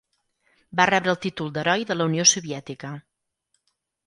Va rebre el títol d'Heroi de la Unió Soviètica.